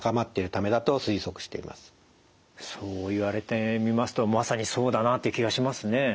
そう言われてみますとまさにそうだなという気がしますね。